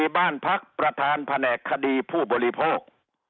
บ้านพักประธานแผนกคดีผู้บริโภค